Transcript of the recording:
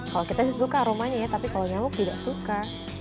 kalau kita sih suka aromanya ya tapi kalau nyamuk tidak suka